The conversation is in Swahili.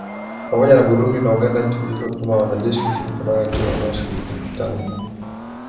pamoja na burundi na uganda nchi zilizotuma wanajeshi nchini somalia ndio wanashiriki mkutano huo